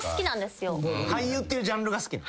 俳優ってジャンルが好きなん？